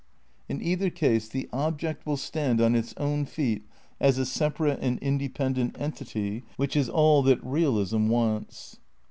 In either case the object will stand on its own feet as a separate and independent entity, which is all that realism wants.